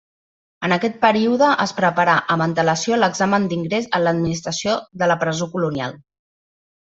En aquest període es preparà amb antelació l'examen d'ingrés en l'administració de la presó colonial.